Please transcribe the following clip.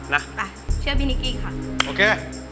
นะไปเชื่อพี่นิกกี้ค่ะโอเค